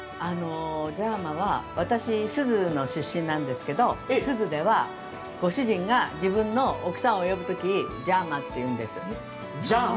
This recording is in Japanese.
じゃまは、私、珠洲の出身なんですけど、珠洲ではご主人が自分の奥さんを呼ぶときじゃーまと言うんです。